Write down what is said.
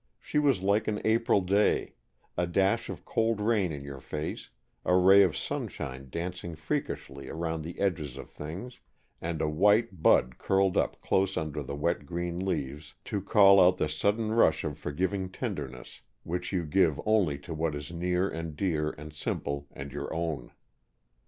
She was like an April day, a dash of cold rain in your face, a ray of sunshine dancing freakishly around the edges of things, and a white bud curled up close under the wet green leaves to call out the sudden rush of forgiving tenderness which you give only to what is near and dear and simple and your own.